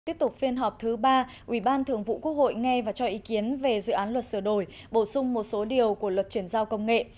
tiếp tục phiên họp thứ ba ubthqh nghe và cho ý kiến về dự án luật sửa đổi bổ sung một số điều của luật chuyển giao công nghệ